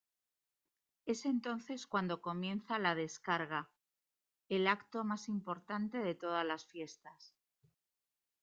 Es entonces cuando comienza "La Descarga", el acto más importante de todas las fiestas.